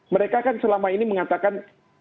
mereka kan selama ini mengatakan